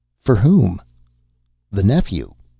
"For whom?" "The nephew.